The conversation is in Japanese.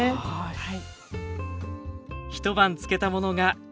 はい。